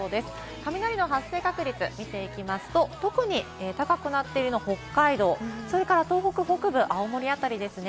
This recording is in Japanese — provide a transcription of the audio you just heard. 雷の発生確率、見ていきますと、特に高くなっているのが北海道、それから東北北部、青森あたりですね。